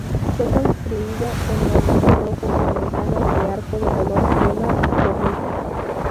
Fue construida en ladrillo rojo con ventanas de arco de color crema y cornisas.